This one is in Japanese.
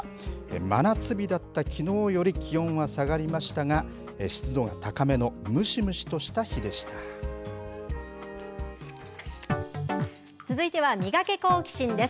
真夏日だったきのうより気温は下がりましたが、湿度が高めのムシ続いてはミガケ、好奇心！です。